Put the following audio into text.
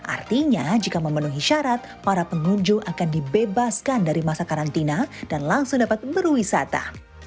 artinya jika memenuhi syarat para pengunjung akan dibebaskan dari masa karantina dan langsung dapat berwisata